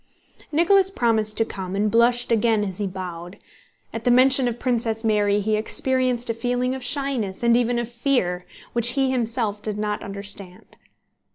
Nicholas promised to come and blushed again as he bowed. At the mention of Princess Mary he experienced a feeling of shyness and even of fear, which he himself did not understand.